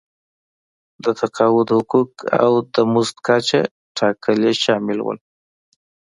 د تقاعد حقوق او د مزد کچه ټاکل یې شامل وو.